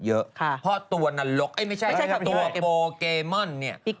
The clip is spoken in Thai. เพราะตัวนรกเอ๊ะไม่ใช่ตัวโปเกมอน